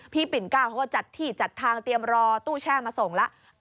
ปิ่นก้าวเขาก็จัดที่จัดทางเตรียมรอตู้แช่มาส่งแล้ว